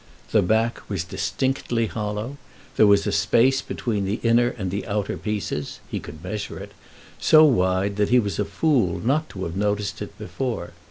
The back was distinctly hollow; there was a space between the inner and the outer pieces (he could measure it), so wide that he was a fool not to have noticed it before.